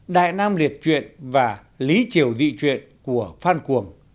đại nam liệt chuyện và lý triều dị chuyện của phan cuồng